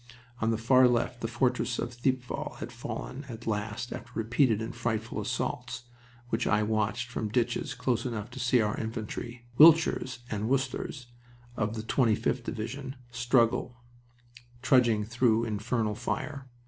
On the far left the fortress of Thiepval had fallen at last after repeated and frightful assaults, which I watched from ditches close enough to see our infantry Wiltshires and Worcesters of the 25th Division trudging through infernal fire.